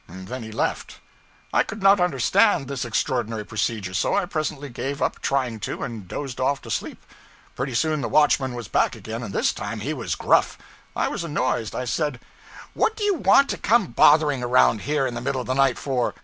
And then he left. I could not understand this extraordinary procedure; so I presently gave up trying to, and dozed off to sleep. Pretty soon the watchman was back again, and this time he was gruff. I was annoyed. I said: 'What do you want to come bothering around here in the middle of the night for.